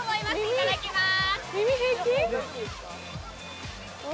いただきまーす。